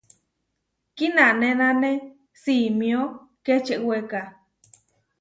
Kinanénane simió kečeweka.